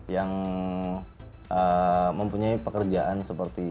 yang mempunyai pekerjaan seperti